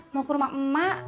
mau ke rumah emak